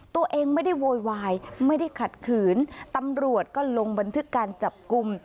ตัวเองไม่ได้โวยวายไม่ได้ขัดขืนตำรวจก็ลงบันทึกการจับกลุ่ม